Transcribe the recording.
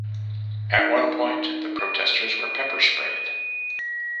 At one point the protesters were pepper sprayed.